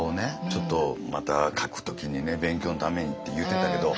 ちょっとまた書く時にね勉強のためにって言ってたけどうそでしょ？